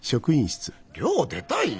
寮を出たい？